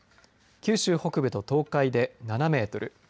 九州北部と東海で７メートル